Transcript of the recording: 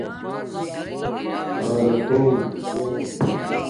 حالتُݸنݣ